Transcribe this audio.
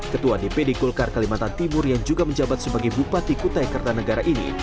ketua dpd golkar kalimantan timur yang juga menjabat sebagai bupati kutai kartanegara ini